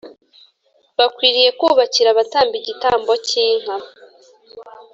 bakwiriye kubakira abatamba igitambo cy inka